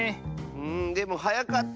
うんでもはやかった。